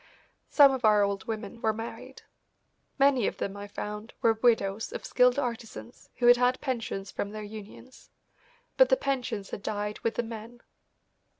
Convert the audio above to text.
Some of our old women were married. Many of them, I found, were widows of skilled artisans who had had pensions from their unions, but the pensions had died with the men.